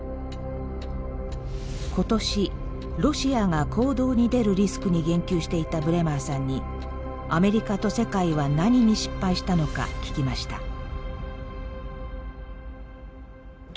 今年「ロシア」が行動に出るリスクに言及していたブレマーさんにアメリカと世界は何に失敗したのか聞きました。